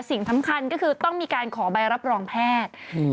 สิ่งสำคัญก็คือต้องมีการขอใบรับรองแพทย์